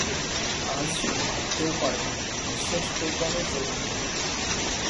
আজ ভাবতেও পারে না– বিশ্বাস করবারও জোর নেই।